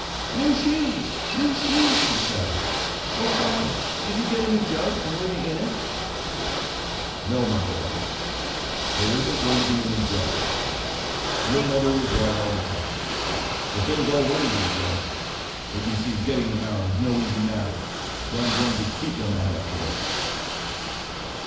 "New shoes! new shoes!" he shouted. "Oh, Father, did you get a new jug and were they in it?" "No, my boy, there isn't going to be a new jug. Your mother was right all the time the things all went into the jug; but you see getting them out is no easy matter so I am going to keep them out after this."